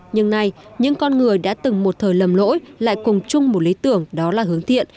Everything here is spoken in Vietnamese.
nhưng nay những con người đã từng một thời lầm lỗi lại cùng chung một lý tưởng đó là hướng thiện